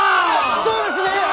そうですね！